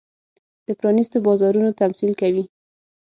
د پرانېستو بازارونو تمثیل کوي.